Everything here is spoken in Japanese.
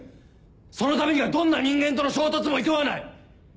そのためにはどんな人間との衝突もいとわない。